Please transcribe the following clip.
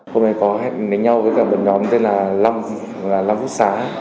hôm nay có hẹn đánh nhau với cả một nhóm tên là lâm là lâm phúc xá